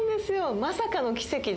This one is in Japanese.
まさかの奇跡で。